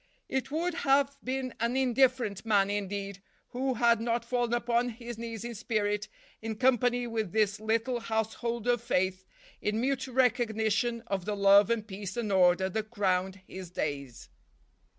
It would have been an indifferent man, indeed, who had not fallen upon his knees in spirit, in company with this little household of faith, in mute recognition of the love and peace and order that crowned his days.